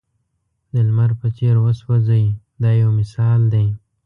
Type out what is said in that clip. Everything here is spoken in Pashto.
د لمر په څېر وسوځئ دا یو مثال دی.